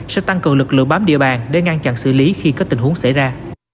sẽ tăng cường lực lượng bám địa bàn để ngăn chặn xử lý khi có tình huống xảy ra